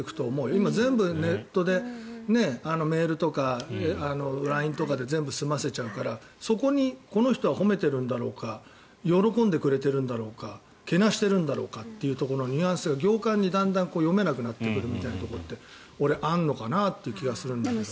今、全部ネットでメールとかＬＩＮＥとかで全部済ませちゃうから、そこにこの人は褒めてるんだろうか喜んでくれているんだろうかけなしているんだろうかっていうところのニュアンスが行間にだんだん読めなくなってくるみたいなところって俺、あるのかなという気がするんだけど。